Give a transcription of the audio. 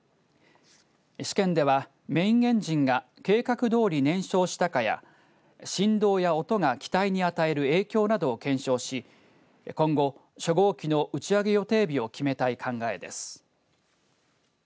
試験ではメインエンジンが計画どおり燃焼したかや振動や音が機体に与える影響などを検証し、今後初号機の打ち上げ予定日を決めたい考えです。